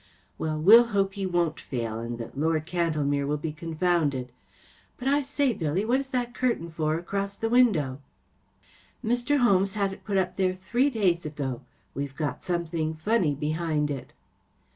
‚ÄĚ ‚ÄĚ Well, we’ll hope he won’t fail and that Lord Cantlemere will be confounded. But I say, Billy, what is that curtain for across the window ? ‚ÄĚ “ Mr. Holmes had it put up there three days ago. We’ve got something funny behind it.